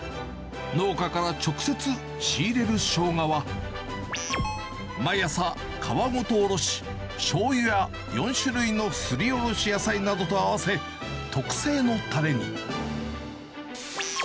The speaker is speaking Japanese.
農家から直接仕入れるショウガは、毎朝、皮ごとおろし、しょうゆや４種類のすりおろし野菜などと合わせ、特製のたれに。